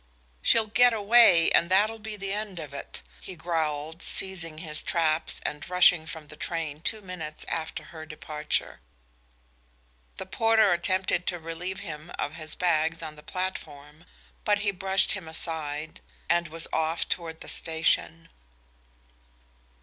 "She'll get away, and that'll be the end of it," he growled, seizing his traps and rushing from the train two minutes after her departure. The porter attempted to relieve him of his bags on the platform, but he brushed him aside and was off toward the station.